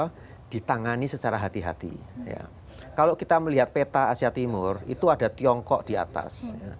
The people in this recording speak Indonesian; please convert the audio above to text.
nah itu yang harus di harus ditangani secara hati hati ya kalo kita melihat peta asia timur itu ada tiongkok diatas